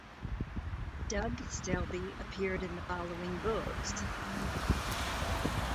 Doug Selby appeared in the following books.